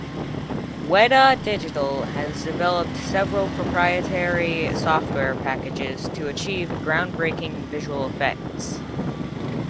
Weta Digital has developed several proprietary software packages to achieve groundbreaking visual effects.